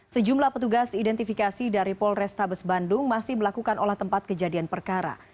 sejumlah petugas identifikasi dari polrestabes bandung masih melakukan olah tempat kejadian perkara